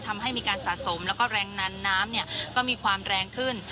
ทำให้มีการสะสมแล้วก็แรงนั้นน้ำก็มีความแรงขึ้น